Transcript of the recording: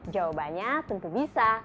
jawabannya tentu bisa